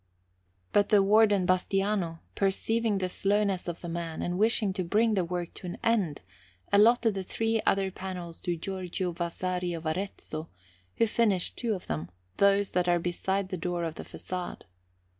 But the Warden Bastiano, perceiving the slowness of the man, and wishing to bring the work to an end, allotted the three other panels to Giorgio Vasari of Arezzo, who finished two of them, those that are beside the door of the façade.